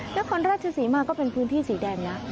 นครราชศรีมาก็เป็นพื้นที่สีแดงนะ